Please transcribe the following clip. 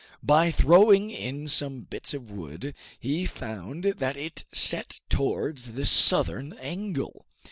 By throwing in some bits of wood he found that it set towards the southern angle.